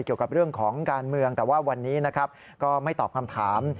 เกี่ยวกับเรื่องของการเมืองแต่ว่าวันนี้นะครับก็ไม่ตอบคำถาม